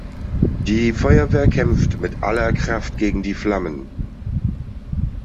Die Feuerwehr kämpft mit aller Kraft gegen die Flammen.